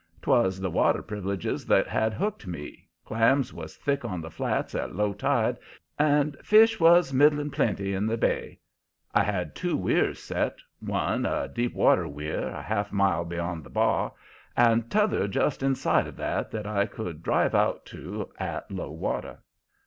'Twas the water privileges that had hooked me. Clams was thick on the flats at low tide, and fish was middling plenty in the bay. I had two weirs set; one a deep water weir, a half mile beyond the bar, and t'other just inside of it that I could drive out to at low water.